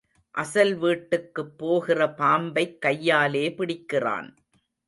அசல் வீட்டுக்குப் போகிற பாம்பைக் கையாலே பிடிக்கிறான்.